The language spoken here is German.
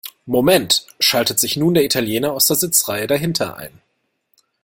Moment!, schaltet sich nun der Italiener aus der Sitzreihe dahinter ein.